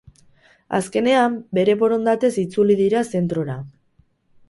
Azkenean, beren borondatez itzuli dira zentrora.